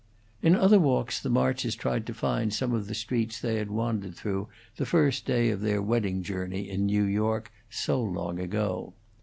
In other walks the Marches tried to find some of the streets they had wandered through the first day of their wedding journey in New York, so long ago.